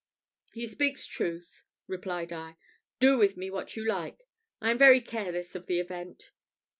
"He speaks truth," replied I. "Do with me what you like I am very careless of the event."